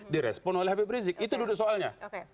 direspon oleh habib rizik itu duduk soalnya